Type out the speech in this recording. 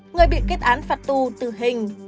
người bị kết án phạt tù tử hình